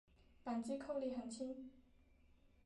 扳机扣力很轻。